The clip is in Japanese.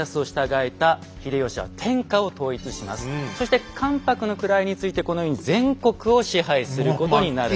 さあこうしてそして関白の位に就いてこのように全国を支配することになるんです。